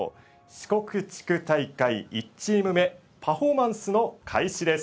四国地区大会１チーム目パフォーマンスの開始です。